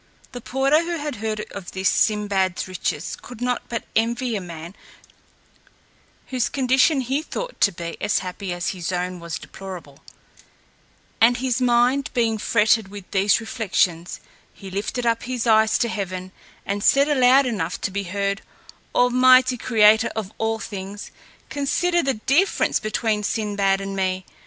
The porter, who had heard of this Sinbad's riches, could not but envy a man whose condition he thought to be as happy as his own was deplorable: and his mind being fretted with these reflections, he lifted up his eyes to heaven, and said loud enough to be heard, "Almighty creator of all things, consider the difference between Sinbad and me!